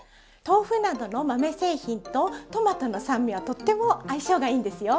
豆腐などの豆製品とトマトの酸味はとっても相性がいいんですよ。